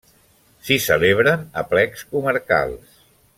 S'hi celebren aplecs comarcals.